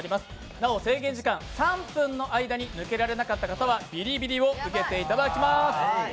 なお制限時間３分の間に抜けられなかった方はビリビリを受けていただきます。